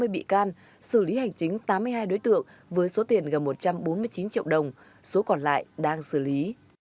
hai mươi bị can xử lý hành chính tám mươi hai đối tượng với số tiền gần một trăm bốn mươi chín triệu đồng số còn lại đang xử lý